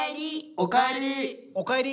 おかえり。